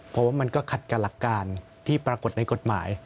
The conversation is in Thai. เพราะว่ามันก็ขัดกับหลักการที่ปรากฏในกฎหมาย